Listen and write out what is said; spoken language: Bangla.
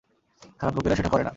খারাপ লোকেরা সেটা করে না।